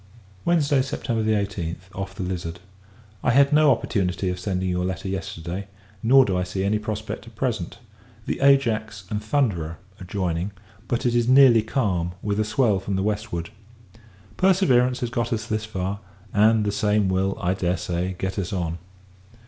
Wednesday, September 18th, off the Lizard. I had no opportunity of sending your letter yesterday, nor do I see any prospect at present. The Ajax and Thunderer are joining; but, it is nearly calm, with a swell from the westward. Perseverance has got us thus far; and the same will, I dare say, get us on.